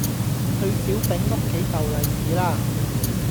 去小丙屋企逗利是啦